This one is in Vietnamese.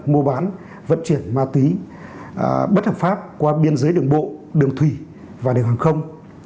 mua bán vận chuyển ma túy bất hợp pháp qua biên giới đường bộ đường thủy và đường hàng không